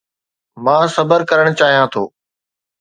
مان صبر ڪرڻ چاهيان ٿو